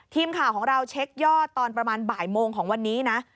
ทีมข่าวของเราเช็คยอดตอนประมาณบ่ายโมงของวันนี้นะ